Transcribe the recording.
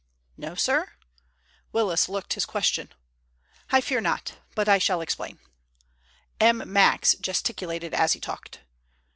"No, sir?" Willis looked his question. "I fear not. But I shall explain," M. Max gesticulated as he talked.